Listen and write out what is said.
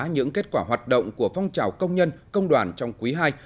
những kết quả hoạt động của phong trào công nhân công đoàn trong quý ii